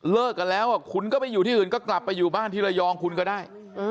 เลิกกันแล้วคุณก็ไม่อยู่ที่อื่นก็กลับไปอยู่บ้านที่ระยองคุณก็ได้